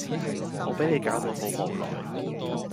我俾你搞到好無奈